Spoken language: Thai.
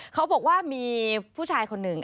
เขาบอกว่ามีผู้ชายคนหนึ่ง